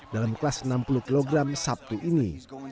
dalam kelas enam puluh kg sabtu ini